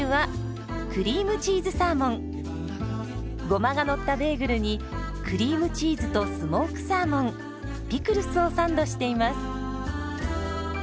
ゴマがのったベーグルにクリームチーズとスモークサーモンピクルスをサンドしています。